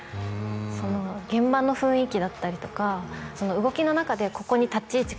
その現場の雰囲気だったりとかその動きの中で立ち位置